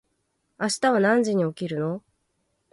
明日は何時に起きるの？